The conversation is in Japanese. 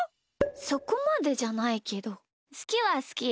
そこまでじゃないけどすきはすき。